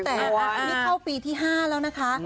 แต่อันนี้เข้าปีที่๕แล้วนะคะ